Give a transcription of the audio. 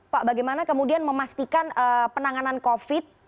pak bagaimana kemudian memastikan penanganan covid